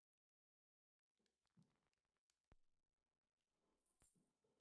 দেশটি পশ্চিম এবং মধ্য ইউরোপ থেকে দক্ষিণ ইউরোপ ও এজিয়ান সাগর পর্যন্ত একটি প্রধান পরিবহন ব্যবস্থার করিডোর।